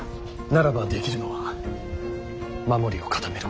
ならばできるのは守りを固めることのみ。